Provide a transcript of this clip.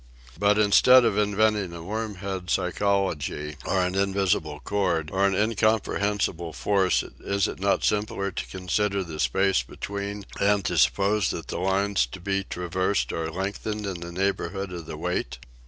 But instead of inventing a wormhead psy chology or an invisible cord or an incomprehensible force is it not simpler to consider the space between and to suppose that the lines to be traversed are length ened in the neighborhood of the weight?